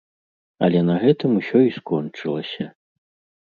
Але на гэтым усё і скончылася.